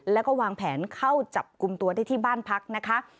แล้วก็วางแผนเข้าจับกลุ่มตัวได้ที่บ้านพักนะคะ